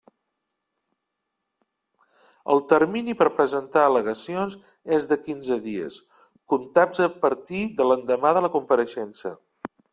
El termini per presentar al·legacions és de quinze dies, comptats a partir de l'endemà de la compareixença.